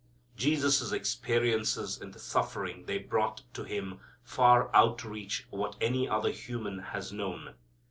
Jesus' experiences in the suffering they brought to Him far outreach what any other human has known.